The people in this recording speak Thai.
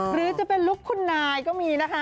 หรือจะเป็นลุคคุณนายก็มีนะคะ